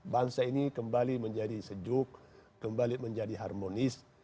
bangsa ini kembali menjadi sejuk kembali menjadi harmonis